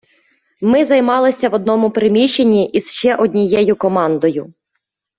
Ми займалися в одному приміщенні із ще однією командою.